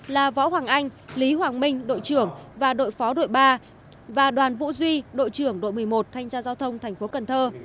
là võ hoàng anh lý hoàng minh đội trưởng và đội phó đội ba và đoàn vũ duy đội trưởng đội một mươi một thanh gia giao thông thành phố cần thơ